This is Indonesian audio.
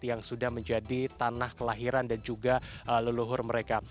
yang sudah menjadi tanah kelahiran dan juga leluhur mereka